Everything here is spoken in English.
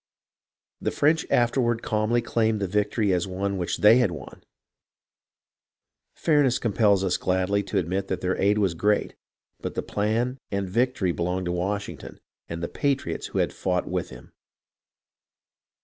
The French afterward calmly claimed the victory as one which they had won. Fairness compels us gladly to admit that their aid was great, but the plan and victory belonged to Washington and the patriots who had fought with him.